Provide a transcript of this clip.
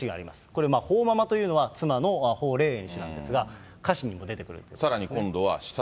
これ、彭ママというのは、妻の彭麗媛氏なんですが、歌詞にも出てくるということですね。